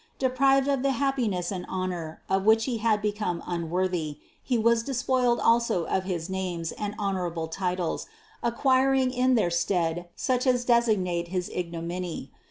Deprived of the happiness and honor, of which he had become unworthy, he was despoiled also of his names and honorable titles, acquiring in their stead such as designate his ignominy.